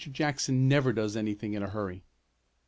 Jackson never does anything in a hurry."